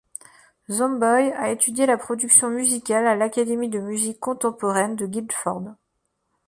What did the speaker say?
Zomboy a étudié la production musicale à l’académie de musique contemporaine de Guildford.